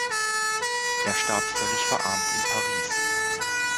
Er starb völlig verarmt in Paris.